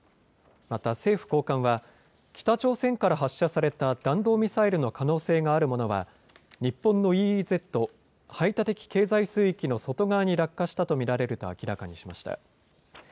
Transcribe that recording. また政府高官は北朝鮮から発射された弾道ミサイルの可能性があるものは日本のＥＥＺ・排他的経済水域の外側に落下したと見られると明らかにしました。